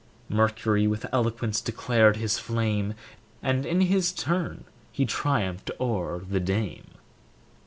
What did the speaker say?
Mercury with eloquence declared his flame, And in his turn he triumphed o'er the dame.